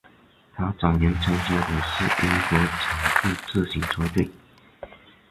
他早年参加的是英国场地自行车队。